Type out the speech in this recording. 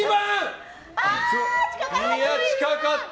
近かった！